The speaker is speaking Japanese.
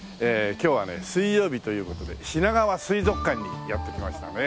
今日はね水曜日という事でしながわ水族館にやって来ましたね。